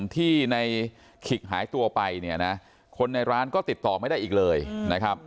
ที่ในขิกหายตัวไปเนี่ยนะคนในร้านก็ติดต่อไม่ได้อีกเลยนะครับ